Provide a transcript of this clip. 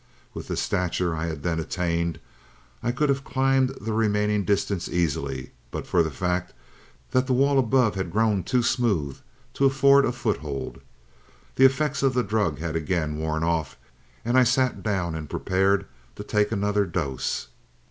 With the stature I had then attained, I could have climbed the remaining distance easily, but for the fact that the wall above had grown too smooth to afford a foothold. The effects of the drug had again worn off, and I sat down and prepared to take another dose.